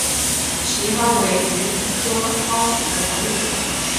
奇蒿为菊科蒿属的植物。